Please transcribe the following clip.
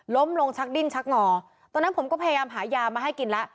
ลงชักดิ้นชักงอตอนนั้นผมก็พยายามหายามาให้กินแล้ว